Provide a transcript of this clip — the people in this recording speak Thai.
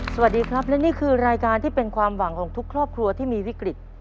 สวัสดีครับและนี่คือรายการที่เป็นความหวังของทุกครอบครัวที่มีวิกฤต